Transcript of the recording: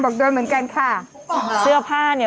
ทุกผู้ชมบอกเสื้อพ่อด้วย